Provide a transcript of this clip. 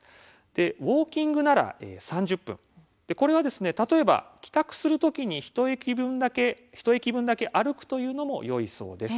ウォーキングなら３０分これは例えば帰宅する時に１駅分だけ歩くというのもよいそうです。